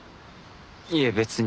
いえ別に。